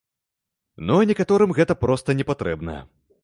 Ну, а некаторым гэта проста не патрэбна.